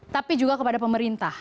tapi juga kepada pemerintah